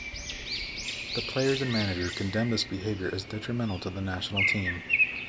The players and manager condemned this behavior as detrimental to the national team.